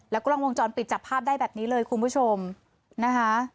แล้วก็กล้องวงจรปิดจับภาพได้แบบนี้เลยคุณผู้ชมนะคะ